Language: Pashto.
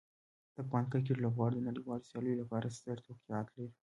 د افغان کرکټ لوبغاړو د نړیوالو سیالیو لپاره ستر توقعات لري.